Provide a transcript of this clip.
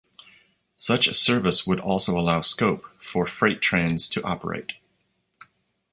Such a service would also allow scope for freight trains to operate.